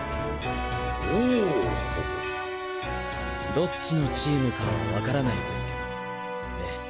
どっちのチームかはわからないですけどね。